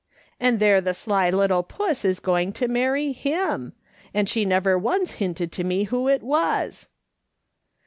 And there the sly little puss is going to marry him ; and she never once hinted to me who it was